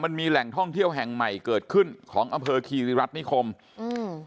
มันมีแหล่งท่องเที่ยวแห่งใหม่เกิดขึ้นของอำเภอคีริรัฐนิคมอืม